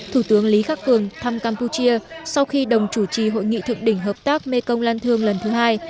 thủ tướng lý khắc cường thăm campuchia sau khi đồng chủ trì hội nghị thượng đỉnh hợp tác mekong lan thương lần thứ hai